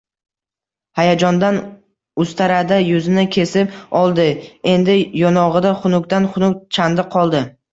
Hayajondan ustarada yuzini kesib oldi, endi yonog`ida xunukdan-xunuk chandiq qoldi